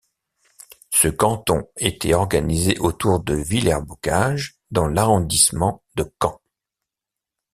Ce canton était organisé autour de Villers-Bocage dans l'arrondissement de Caen.